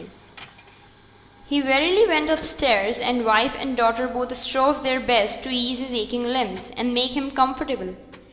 He went wearily upstairs, and wife and daughter both strove their best to ease his aching limbs, and make him comfortable.